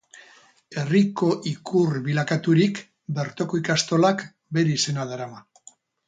Herriko ikur bilakaturik, bertoko ikastolak bere izena darama.